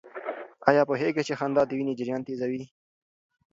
آیا پوهېږئ چې خندا د وینې جریان تېزوي؟